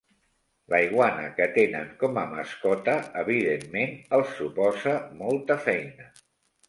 La iguana que tenen com a mascota evidentment els suposa molta feina.